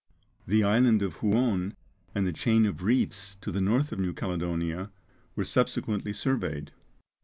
The island of Huon, and the chain of reefs to the north of New Caledonia, were subsequently surveyed.